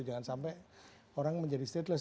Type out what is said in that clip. jangan sampai orang menjadi stateles